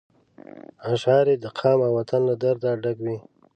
اشعار یې د قام او وطن له درده ډک وي.